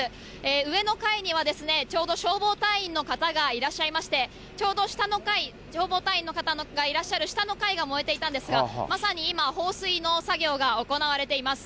上の階にはちょうど消防隊員の方がいらっしゃいまして、ちょうど下の階、消防隊の方がいらっしゃる下の階が燃えていたんですが、まさに今、放水の作業が行われています。